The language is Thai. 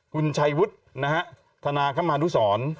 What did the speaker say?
คุณชัยวุฒต์ธนาคมหานุศร